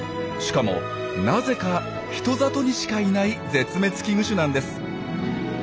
しかもなぜか人里にしかいない絶滅危惧種なんです。